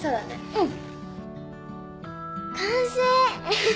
うん